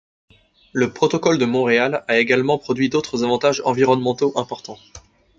Le Protocole de Montréal a également produit d'autres avantages environnementaux importants.